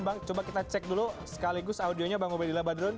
bang coba kita cek dulu sekaligus audionya bang obedillah badrun